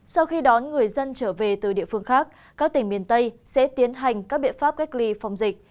sau khi đón người dân trở về từ địa phương khác các tỉnh miền tây sẽ tiến hành các biện pháp cách ly phòng dịch